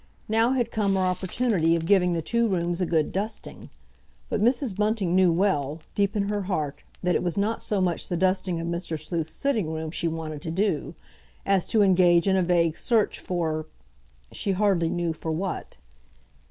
Now had come her opportunity of giving the two rooms a good dusting; but Mrs. Bunting knew well, deep in her heart, that it was not so much the dusting of Mr. Sleuth's sitting room she wanted to do—as to engage in a vague search for—she hardly knew for what.